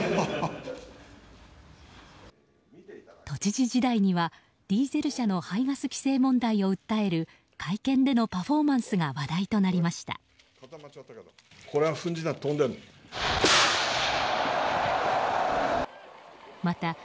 都知事時代にはディーゼル車の排ガス規制問題を訴える会見でのパフォーマンスが話題となりました。